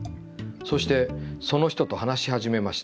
そして、その人と話し始めました。